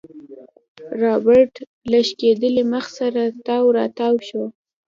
رابرټ له شکېدلي مخ سره تاو راتاو شو.